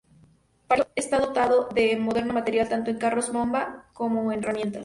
Para aquello está dotado de moderno material tanto en carros bomba como en herramientas.